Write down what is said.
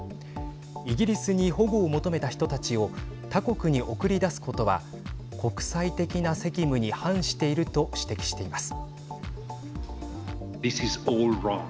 イギリスに保護を求めた人たちを他国に送り出すことは国際的な責務に反していると指摘しています。